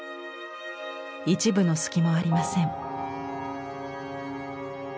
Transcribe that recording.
一分の隙もありません。